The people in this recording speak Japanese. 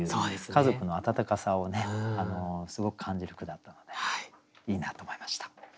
家族の温かさをすごく感じる句だったのでいいなと思いました。